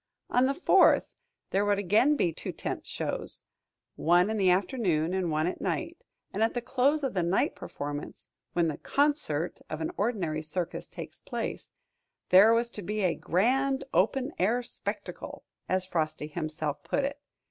On the Fourth there would again be two tent shows, one in the afternoon and one at night; and at the close of the night performance, when the "concert" of an ordinary circus takes place, there was to be "a grand open air spectacle," as Frosty himself put it.